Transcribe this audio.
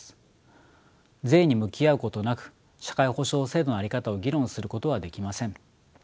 税に向き合うことなく社会保障制度の在り方を議論することはできません。